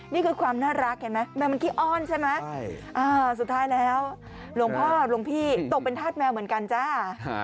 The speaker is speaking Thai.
นี่คือความน่ารักเห็นไหมแมวมันขี้อ้อนใช่ไหมสุดท้ายแล้วหลวงพ่อหลวงพี่ตกเป็นธาตุแมวเหมือนกันจ้า